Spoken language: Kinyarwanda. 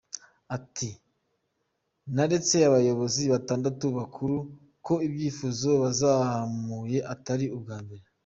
Ati “Neretse abayobozi batandatu bakuru ko ibyifuzo bazamuye atari ubwa mbere.